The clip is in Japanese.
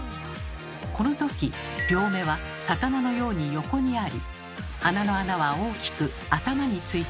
この時両目は魚のように横にあり鼻の穴は大きく頭についています。